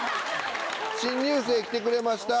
新入生来てくれました。